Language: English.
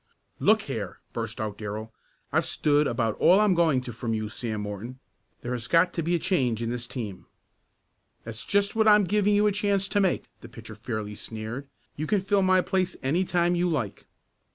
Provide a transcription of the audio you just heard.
"Look here!" burst out Darrell. "I've stood about all I'm going to from you, Sam Morton. There has got to be a change in this team." "That's just what I'm giving you a chance to make," the pitcher fairly sneered. "You can fill my place any time you like."